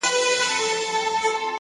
په دې حالاتو کي خو دا کيږي هغه ‘نه کيږي’